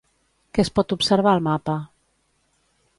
Què es pot observar al mapa?